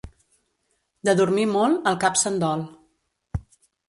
De dormir molt, el cap se'n dol.